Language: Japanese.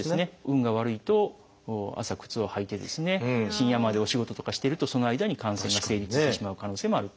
運が悪いと朝靴を履いて深夜までお仕事とかしてるとその間に感染が成立してしまう可能性もあると。